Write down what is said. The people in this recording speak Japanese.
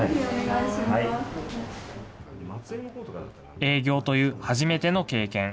営業という初めての経験。